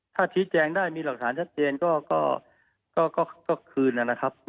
ถ้าชี้แจงได้มีหลักฐานชัดเจนก็คืนนะครับ